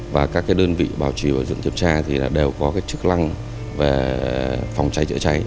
và các đơn vị bảo trì bảo dưỡng kiểm tra đều có chức năng về phòng cháy cháy cháy